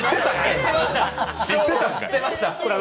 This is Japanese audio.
知ってました。